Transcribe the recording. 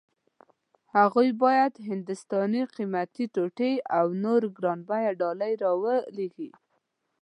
هغوی ته باید هندوستاني قيمتي ټوټې او نورې ګران بيه ډالۍ ور ولېږي.